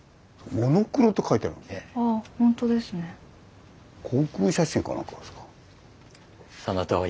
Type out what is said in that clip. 「モノクロ」って書いてあります。